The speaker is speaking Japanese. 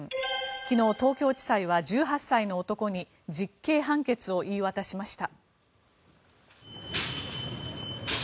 昨日、東京地裁は１８歳の男に実刑判決を言い渡しました。